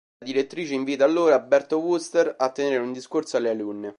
La direttrice invita allora Berto Wooster a tenere un discorso alle alunne.